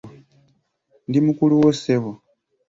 Ndi mukulu wo ssebo.